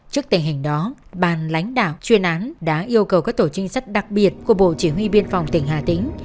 trước tình hình đó bàn lãnh đạo chuyên án đã yêu cầu các tổ trinh sát đặc biệt của bộ chỉ huy biên phòng tỉnh hà tĩnh